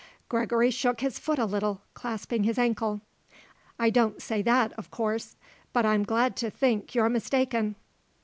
Gregory shook his foot a little, clasping his ankle. "I don't say that, of course. But I'm glad to think you're mistaken."